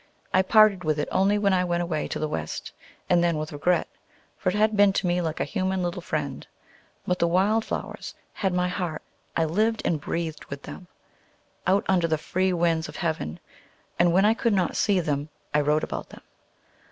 I parted with it only when I went away to the West, and then with regret, for it had been to me like a human little friend. But the wild flowers had my heart. I lived and breathed with them, out under the free winds of heaven; and when I could not see them, I wrote about them.